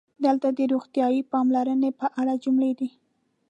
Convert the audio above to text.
دلته د "روغتیايي پاملرنې" په اړه جملې دي: